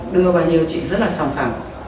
đưa bao nhiêu chị rất là sòng khẳng